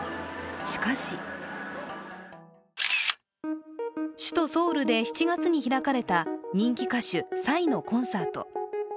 しかし首都ソウルで７月に開かれた人気歌手、ＰＳＹのコンサート。